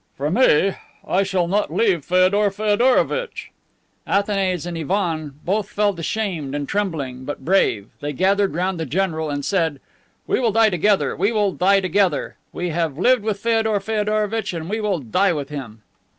"For me, I shall not leave Feodor Feodorovitch." Athanase and Ivan both felt ashamed, and trembling, but brave, they gathered round the general and said, "We will die together, we will die together. We have lived with Feodor Feodorovitch, and we will die with him."